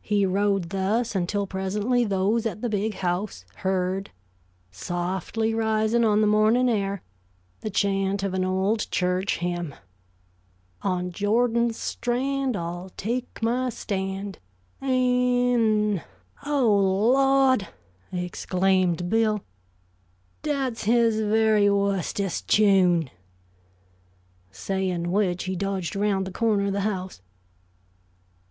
He rode thus until presently those at the Big House heard, softly rising on the morning air, the chant of an old church hymn: "On Jordan's strand I'll take my stand, An n n " "Oh, Lawd," exclaimed Bill. "Dat's his very wustest chune!" saying which he dodged around the corner of the house.